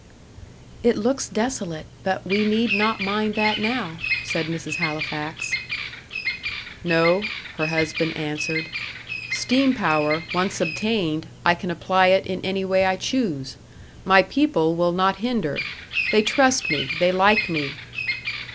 "It looks desolate, but we need not mind that now," said Mrs. Halifax. "No," her husband answered. "Steam power once obtained, I can apply it in any way I choose. My people will not hinder; they trust me, they like me."